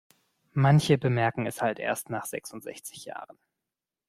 Manche bemerken es halt erst nach sechsundsechzig Jahren.